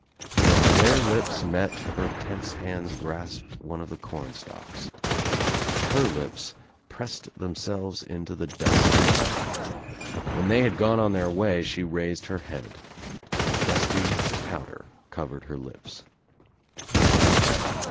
When their lips met her tense hands grasped one of the corn stalks. Her lips pressed themselves into the dust. When they had gone on their way she raised her head. A dusty powder covered her lips.